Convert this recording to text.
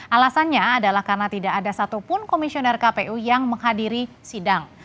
alasannya adalah karena tidak ada satupun komisioner kpu yang menghadiri sidang